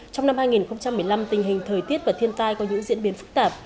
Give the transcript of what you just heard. trong năm hai nghìn một mươi năm tình hình thời tiết và thiên tai có những diễn biến phức tạp